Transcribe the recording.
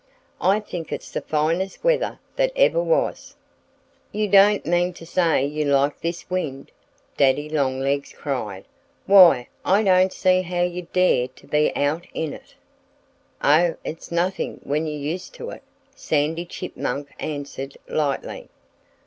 "I think it's the finest weather that ever was." "You don't mean to say you like this wind?" Daddy Longlegs cried. "Why, I don't see how you dare to be out in it!" "Oh, it's nothing when you're used to it," Sandy Chipmunk answered lightly.